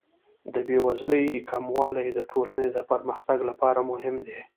د بې وزلۍ کموالی د ټولنې د پرمختګ لپاره مهم دی.